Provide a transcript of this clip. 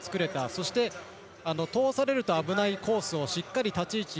そして通されると危ないコースをしっかり立ち位置